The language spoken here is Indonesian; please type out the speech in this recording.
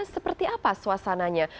seperti apa suasananya